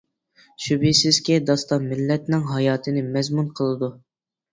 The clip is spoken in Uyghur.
شۈبھىسىزكى، داستان مىللەتنىڭ ھاياتىنى مەزمۇن قىلىدۇ.